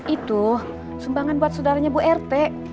itu sumbangan buat saudaranya bu rt